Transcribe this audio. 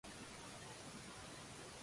你點解要加入娛樂圈呢